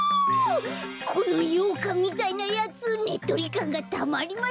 このようかんみたいなやつねっとりかんがたまりませんなあ！